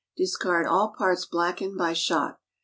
Discard all parts blackened by shot.